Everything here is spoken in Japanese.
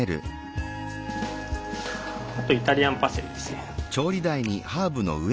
あとイタリアンパセリですね。